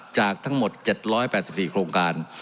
จากทั้งหมด๗๘๔โครงการ